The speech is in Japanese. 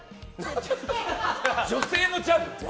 女性のジャブ？